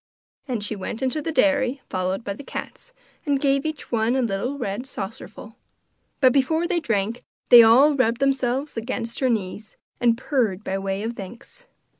And she went into the dairy, followed by all the cats, and gave each one a little red saucerful. But before they drank they all rubbed themselves against her knees and purred by way of thanks.